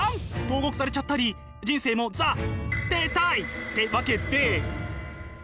投獄されちゃったり人生もザ停滞！ってわけで。